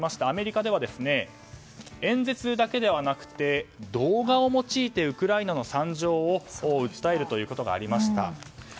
アメリカでは演説だけではなくて動画を用いてウクライナの惨状を訴えるということがありました。